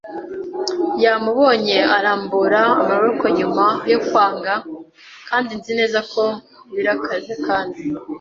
yamubonye arambura amaboko nyuma yo kwangwa, kandi nzi neza ko birakaze kandi